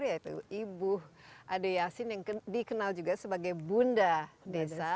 yaitu ibu ade yasin yang dikenal juga sebagai bunda desa